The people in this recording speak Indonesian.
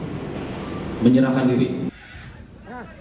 nah ini adalah proses yang terjadi di tkp bagaimana